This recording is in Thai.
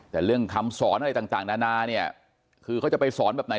แต่เรื่องคำสอนอะไรต่างนานาเนี่ยคือเขาจะไปสอนแบบไหน